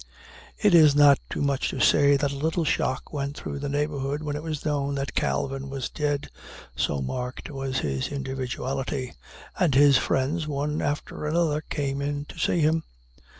It is not too much to say that a little shock went through the neighborhood when it was known that Calvin was dead, so marked was his individuality; and his friends, one after another, came in to see him.